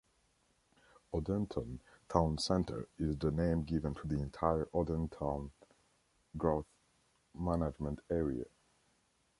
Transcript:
Odenton Town Center is the name given to the entire Odenton Growth Management Area.